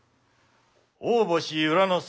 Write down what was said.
大星由良之助